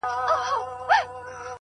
زه یې وینمه که خاص دي او که عام دي,